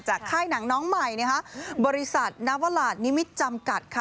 จากค่ายหนังน้องใหม่บริษัทนวรรดินิมิตรจำกัดค่ะ